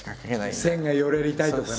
線がヨレりたいとかね。